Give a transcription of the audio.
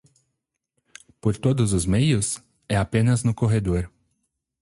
Por todos os meios? é apenas no corredor.